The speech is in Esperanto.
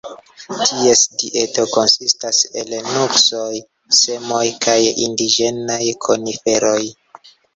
Ties dieto konsistas el nuksoj, semoj kaj indiĝenaj koniferoj.